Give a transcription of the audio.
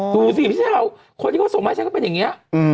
ดูสิพี่สาวคนที่ก็ส่งมาให้ฉันก็เป็นอย่างนี้